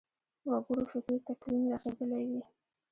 وګړو فکري تکوین رغېدلی وي.